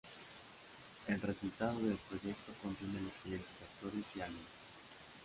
El resultado de el proyecto contiene los siguientes actores y albums.